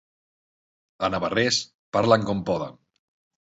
A Navarrés parlen com poden.